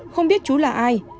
không biết chú là ai